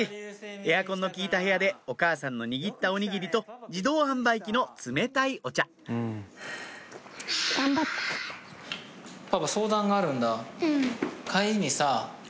エアコンの効いた部屋でお母さんの握ったおにぎりと自動販売機の冷たいお茶お花？